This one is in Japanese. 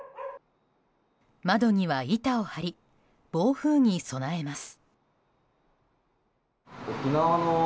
窓には板を張り暴風に備えます。